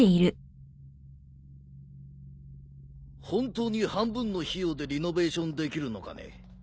本当に半分の費用でリノベーションできるのかね？